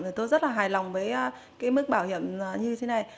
thì tôi rất là hài lòng với cái mức bảo hiểm như thế này